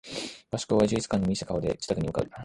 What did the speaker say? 合宿を終え充実感に満ちた顔で自宅に向かう